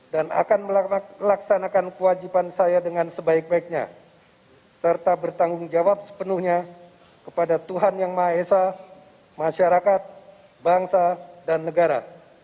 dan akan melaksanakan kewajiban saya dengan sebaik baiknya serta bertanggung jawab sepenuhnya kepada tuhan yang maha esa masyarakat bangsa dan negara